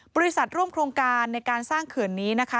บริษัทร่วมโครงการในการสร้างเขื่อนนี้นะคะ